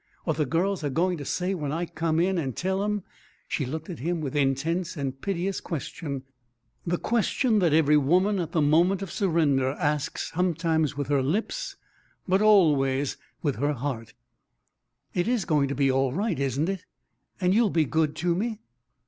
What the girls are going to say when I come in and tell 'em " She looked at him with intense and piteous question the question that every woman at the moment of surrender asks sometimes with her lips, but always with her heart: "It is going to be all right, isn't it? And you'll be good to me?"